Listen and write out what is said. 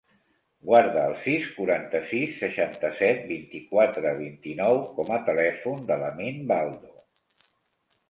Guarda el sis, quaranta-sis, seixanta-set, vint-i-quatre, vint-i-nou com a telèfon de l'Amin Baldo.